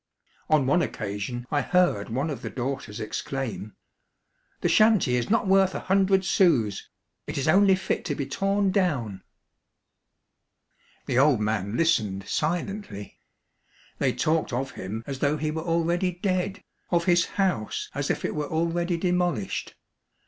On one occasion I heard one of the daughters exclaim, —" The shanty is not worth a hundred sous. It is only fit to be torn down." The old man listened silently. They talked of him as though he were already dead, of his house as if it were already demolished.